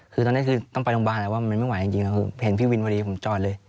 คือตอนนี้คือต้องไปโรงพยาบาลแล้วว่ามันไม่ไหวจริงคือเห็นพี่วินพอดีผมจอดเลย